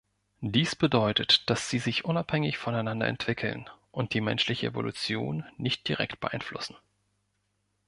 Dies bedeutet, dass sie sich unabhängig voneinander entwickeln und die menschliche Evolution nicht direkt beeinflussen.